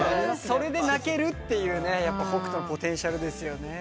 それで泣けるっていう北斗のポテンシャルですよね。